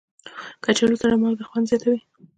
کچالو سره مالګه خوند زیاتوي